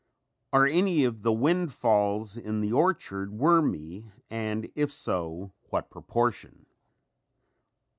Are any of the windfalls in the orchard wormy and if so what proportion?